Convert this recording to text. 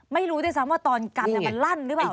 ไม่รู้ด้วยซ้ำว่าตอนกันมันลั่นหรือเปล่า